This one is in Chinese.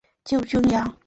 救军粮